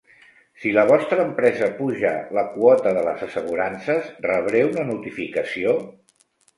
Si la vostra empresa puja la quota de les assegurances, rebré una notificació?